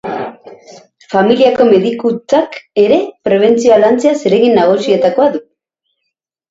Familiako medikuntzak ere prebentzioa lantzea zeregin nagusietarikoa du.